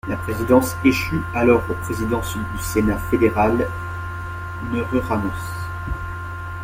La présidence échut alors au président du Sénat Fédéral, Nereu Ramos.